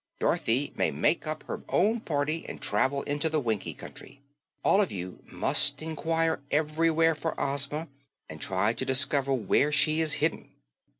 Dorothy may make up her own party and travel into the Winkie Country. All of you must inquire everywhere for Ozma and try to discover where she is hidden."